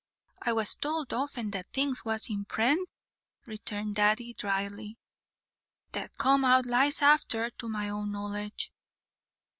"I was towld often that things was in prent," returned Daddy, drily, "that come out lies afther, to my own knowledge."